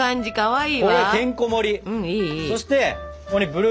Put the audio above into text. いい！